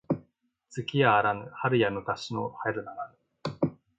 月やあらぬ春や昔の春ならぬ